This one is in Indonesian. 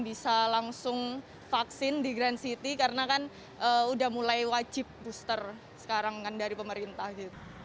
bisa langsung vaksin di grand city karena kan udah mulai wajib booster sekarang kan dari pemerintah gitu